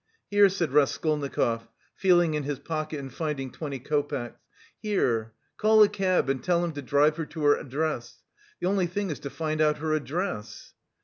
"Here," said Raskolnikov feeling in his pocket and finding twenty copecks, "here, call a cab and tell him to drive her to her address. The only thing is to find out her address!"